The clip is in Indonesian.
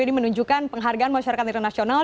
ini menunjukkan penghargaan masyarakat internasional